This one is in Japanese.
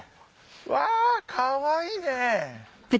うわかわいいね。